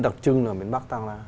đặc trưng là miền bắc tăng ra